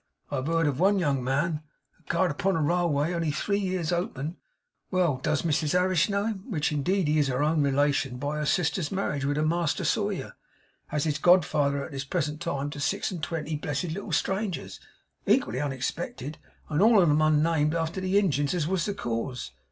I have heerd of one young man, a guard upon a railway, only three years opened well does Mrs Harris know him, which indeed he is her own relation by her sister's marriage with a master sawyer as is godfather at this present time to six and twenty blessed little strangers, equally unexpected, and all on 'um named after the Ingeines as was the cause.